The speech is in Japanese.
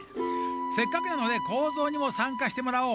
せっかくなのでコーゾーにもさんかしてもらおう。